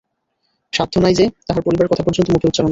সাধ্য নাই যে, তাহার পড়িবার কথা পর্যন্ত মুখে উচ্চারণ করে।